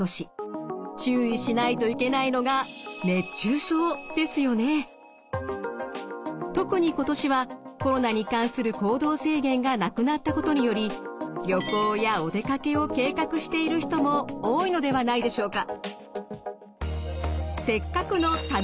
注意しないといけないのが特に今年はコロナに関する行動制限がなくなったことにより旅行やお出かけを計画している人も多いのではないでしょうか。